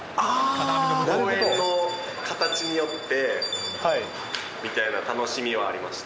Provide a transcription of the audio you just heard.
公園の形によってみたいな楽しみはありました。